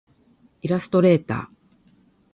イラストレーター